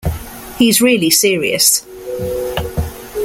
He's really serious.